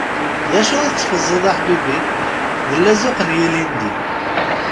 D acu i tteffẓeḍ, a ḥbibi? D llazuq n yilindi.